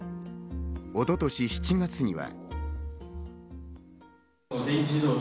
一昨年７月には。